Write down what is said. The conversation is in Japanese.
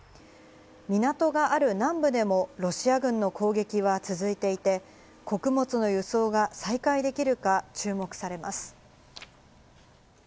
港がある南部でもロシア軍の攻撃は続いていて、穀物の輸送が再開できるか注目されます。